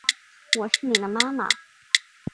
我是妳的妈妈